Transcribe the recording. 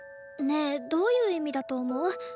ねえどういう意味だと思う？